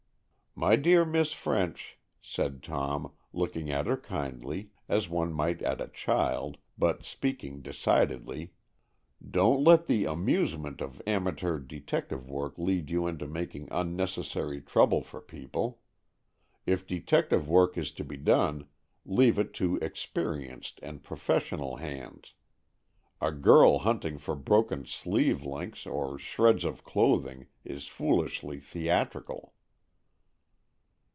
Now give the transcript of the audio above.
"My dear Miss French," said Tom, looking at her kindly, as one might at a child, but speaking decidedly; "don't let the amusement of amateur detective work lead you into making unnecessary trouble for people. If detective work is to be done, leave it to experienced and professional hands. A girl hunting for broken sleeve links or shreds of clothing is foolishly theatrical."